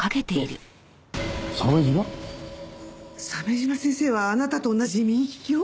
鮫島先生はあなたと同じ右利きよ。